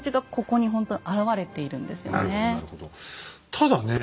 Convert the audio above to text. ただね